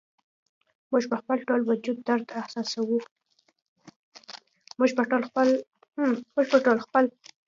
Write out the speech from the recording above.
موږ په خپل ټول وجود درد احساسوو